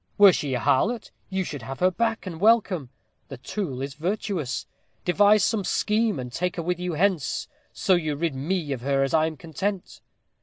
Were she a harlot, you should have her back and welcome. The tool is virtuous. Devise some scheme, and take her with you hence so you rid me of her I am content."